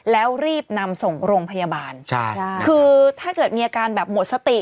แล้วรีบนำส่งโรงพยาบาลใช่คือถ้าเกิดมีอาการแบบหมดสติ